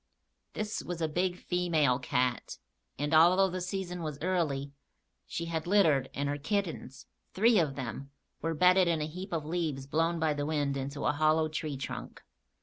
This was a big female cat, and, although the season was early, she had littered and her kittens, three of them, were bedded in a heap of leaves blown by the wind into a hollow tree trunk.